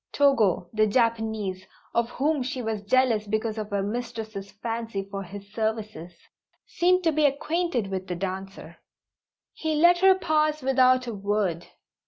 Togo, the Japanese (of whom she was jealous because of her mistress's fancy for his services), seemed to be acquainted with the dancer. He let her pass without a word.